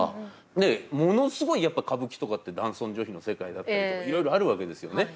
でものすごいやっぱ歌舞伎とかって男尊女卑の世界だったりとかいろいろあるわけですよね。